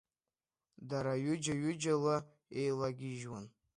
Дара ҩыџьа-ҩыџьала еилагьежьуан.